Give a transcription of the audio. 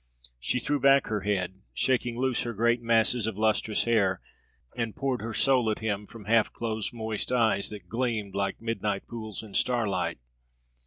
She threw back her head, shaking loose her great masses of lustrous hair, and poured her soul at him from half closed, moist eyes that gleamed like midnight pools in starlight.